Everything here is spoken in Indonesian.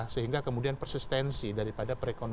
sehingga kemudian persistensi daripada perekonomian